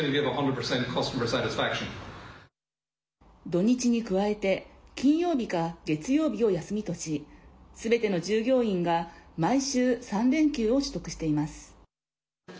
土日に加えて金曜日か月曜日を休みとしすべての従業員が毎週３連休を取得しています。